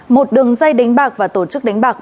một đường dây đánh bạc và tổ chức đánh bạc